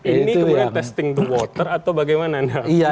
ini kemudian testing the water atau bagaimana